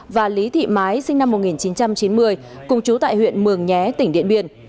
và lý thị mái sinh năm một nghìn chín trăm chín mươi cùng chú tại huyện mường nhé tỉnh điện biên